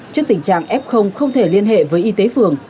trước tình trạng f không thể liên hệ với y tế phường